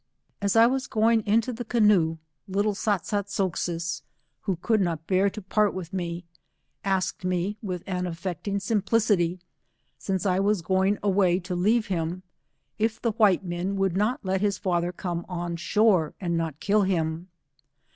As I was going into the canoe, little Sat sat sak sis, who could not bear to part with me, asked me, with an affecting simplicity, since I was going a way to leave him, if the white men would not let 189 his father come on shore, and not kill him.